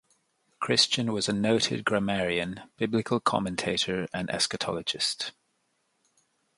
Christian was a noted grammarian, Biblical commentator, and eschatologist.